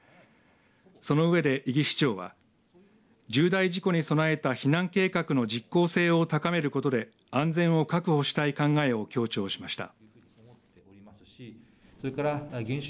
その上で伊木市長は重大事故に備えた避難計画の実効性を高めることで安全を確保したい考えを強調しました。